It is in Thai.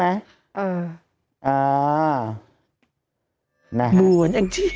เหมือนแองจี้